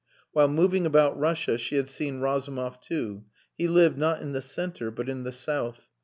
While moving about Russia, she had seen Razumov too. He lived, not "in the centre," but "in the south."